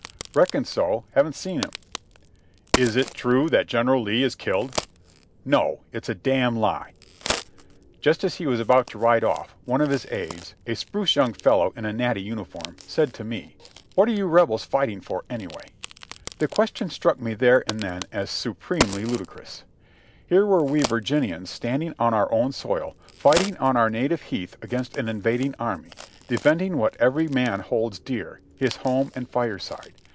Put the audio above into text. "Reckon so, haven't seen him." j "Is it true that General Lee is killed?" "No, it's a damn lie." Just as he was about to ride off, one of his aides — a spruce young fellow in a natty uniform — said to me: "What are you Rebels fighting for, anyway?" The question struck me there and then as supremely ludicrous. Here were we Virginians standing on our own soil, fighting on our native heath against an invading army, defending what ^very man holds dear — his home and fireside.